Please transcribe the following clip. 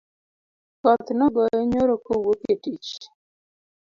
Koth nogoye nyoro kowuok e tich